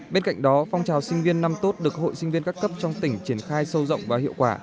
bên cạnh đó phong trào sinh viên năm tốt được hội sinh viên các cấp trong tỉnh triển khai sâu rộng và hiệu quả